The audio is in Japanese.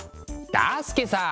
だすけさあ